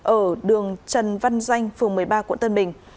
ở đường trần văn danh phường một mươi ba quận tân bình